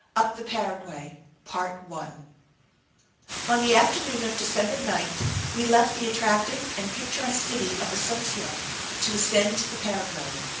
II. UP THE PARAGUAY On the afternoon of December 9 we left the attractive and picturesque city of Asuncion to ascend the Paraguay.